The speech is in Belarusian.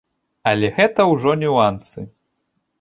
Але гэта ўжо нюансы.